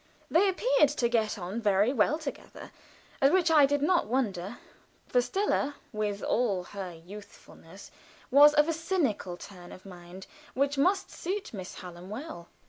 They appeared to get on very well together, at which I did not wonder; for Stella, with all her youthfulness, was of a cynical turn of mind, which must suit Miss Hallam well.